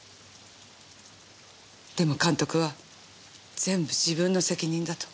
でも監督は全部自分の責任だと。